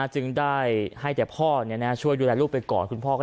จึงได้ให้แต่พ่อช่วยดูแลลูกไปก่อนคุณพ่อ